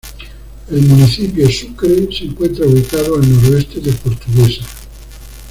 El Municipio Sucre se encuentra ubicado al noroeste de Portuguesa.